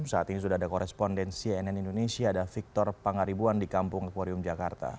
saat ini sudah ada korespondensi nn indonesia ada victor pangaribuan di kampung akurium jakarta